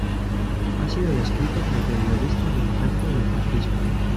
Ha sido descrito como periodista militante del macrismo.